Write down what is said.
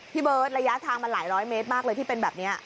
พี่เบิร์ตระยะทางมันหลายร้อยเมตรมากเลยที่เป็นแบบนี้